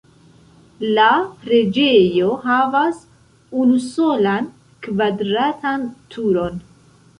La preĝejo havas unusolan kvadratan turon.